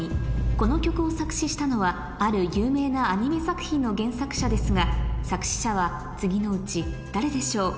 この曲を作詞したのはある有名なアニメ作品の原作者ですが作詞者は次のうち誰でしょう？